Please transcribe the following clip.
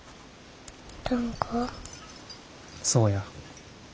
そうや。